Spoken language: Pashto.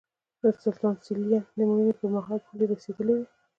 د سلطان سلین د مړینې پرمهال پولې رسېدلې وې.